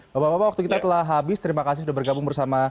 bapak bapak waktu kita telah habis terima kasih sudah bergabung bersama kami